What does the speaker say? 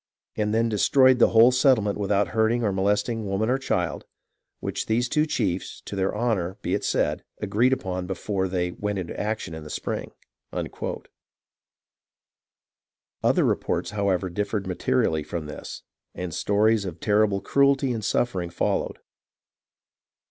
And then destroyed the whole Settlement without hurting or molesting Woman or Child, wch these two Chiefs, to their honour be it said, agreed upon before they [went into] Action in the Spring." Other reports, however, differed materially from this, and stories of terrible cruelty and suffering followed.